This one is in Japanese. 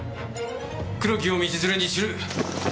黒木を道連れに死ぬ。